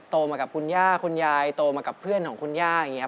มากับคุณย่าคุณยายโตมากับเพื่อนของคุณย่าอย่างนี้ครับ